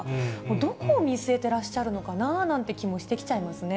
どこを見据えてらっしゃるのかななんて気もしてきちゃいますね。